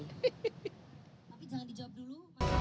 tapi jangan dijawab dulu